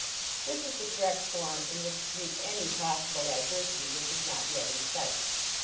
This is the correct form in which to meet any possible adversity which is not yet in sight.